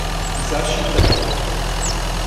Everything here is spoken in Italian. Hisashi Katō